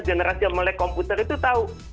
generasi yang melek komputer itu tahu